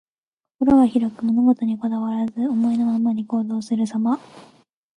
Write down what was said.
心が広く、物事にこだわらず、思いのままに行動するさま。